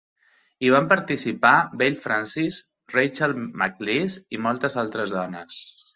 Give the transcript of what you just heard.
Hi van participar Bev Francis, Rachel McLish i moltes altres dones.